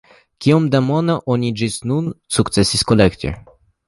Kiom da mono oni ĝis nun sukcesis kolekti?